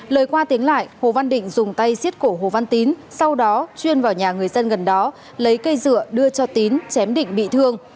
lời qua tiếng lại hồ văn định dùng tay xiết cổ hồ văn tín sau đó chuyên vào nhà người dân gần đó lấy cây dựa đưa cho tín chém định bị thương